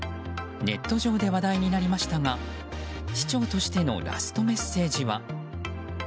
ネット上で話題になりましたが市長としてのラストメッセージは。